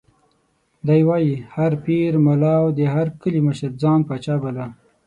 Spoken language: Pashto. دی وایي: هر پیر، ملا او د هر کلي مشر ځان پاچا باله.